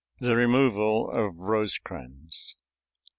THE REMOVAL OF ROSECRANS.